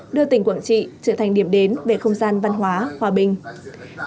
đưa tỉnh quảng trị trở thành điểm đến về không gian văn hóa hòa bình